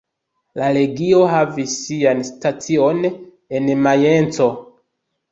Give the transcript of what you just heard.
La legio havis sian stacion en Majenco.